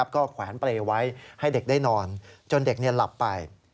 ก็แขวนเปรย์ไว้ให้เด็กได้นอนจนเด็กหลับไป